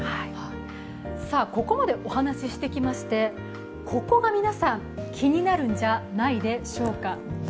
ここまでお話ししてきまして、ここが皆さん、気になるんじゃないでしょうか。